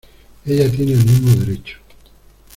ella tiene el mismo derecho.